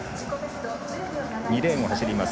２レーンを走ります